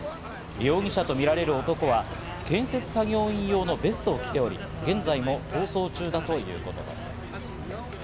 容疑者とみられる男は建設作業員用のベストを着ており現在も逃走中だということです。